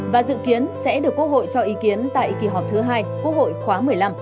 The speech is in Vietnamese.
và dự kiến sẽ được quốc hội cho ý kiến tại kỳ họp thứ hai quốc hội khóa một mươi năm